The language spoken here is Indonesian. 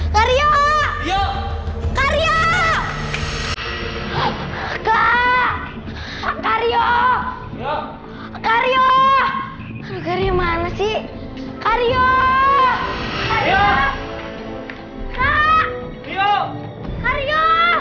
kak kario kak kario kak kario kak kario kak kario kak kario